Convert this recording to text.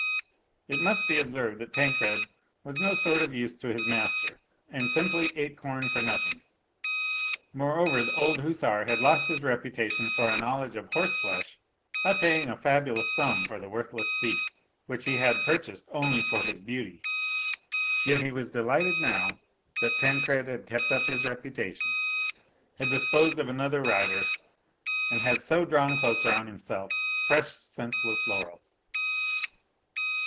It must be observed that Tancred was no sort of use to his master and simply ate corn for nothing; moreover, the old hussar had lost his reputation for a knowledge of horseflesh by paying a fabulpus sum for the worthless beast, which he had purchased only for his beauty. ... yet he was delighted now that Tancred had kept up his reputation, had disposed of an other rider, and so had drawn closer on himself fresh senseless laurels.